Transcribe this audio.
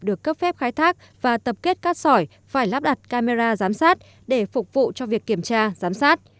được cấp phép khai thác và tập kết cát sỏi phải lắp đặt camera giám sát để phục vụ cho việc kiểm tra giám sát